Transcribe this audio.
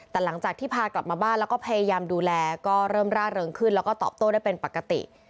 แต่หลังจากที่พากลับมาบ้านแล้วก็พยายามดูแลก็เริ่มร่าเริงขึ้นแล้วก็ตอบโต้ได้เป็นปกติ